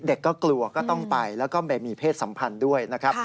เด็กก็กลัวก็ต้องไปแล้วก็ไปมีเพศสัมพันธ์ด้วยนะครับ